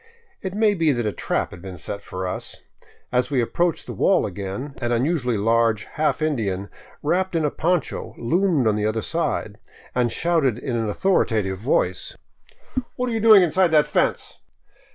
It may be that a trap had been set for us. As we approached the wall again, an unusually large half Indian, wrapped in a poncho, loomed up on the other side, and shouted in an authoritative voice: 526 ON FOOT ACROSS TROPICAL BOLIVIA " What are you doing inside that fence